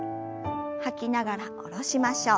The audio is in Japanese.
吐きながら下ろしましょう。